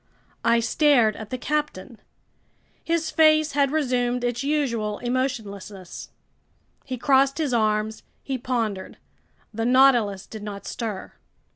I stared at the captain. His face had resumed its usual emotionlessness. He crossed his arms. He pondered. The Nautilus did not stir.